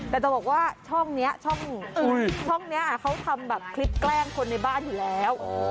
แต่จะบอกว่าช่องนี้ช่องนี้เขาทำแบบคลิปแกล้งคนในบ้านอยู่แล้ว